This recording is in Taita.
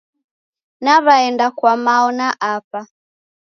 Naw'aenda kwa mao na apa.